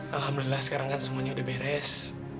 alhamdulillah sekarang kan semuanya udah beres